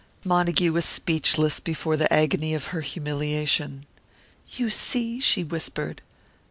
Montague was speechless, before the agony of her humiliation. "You see!" she whispered.